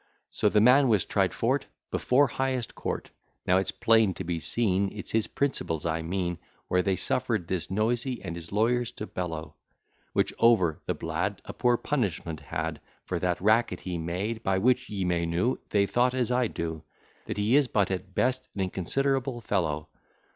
So the man was tried for't, Before highest court: Now it's plain to be seen, It's his principles I mean, Where they suffer'd this noisy and his lawyers to bellow: Which over, the blade A poor punishment had For that racket he made. By which ye may know They thought as I do, That he is but at best an inconsiderable fellow.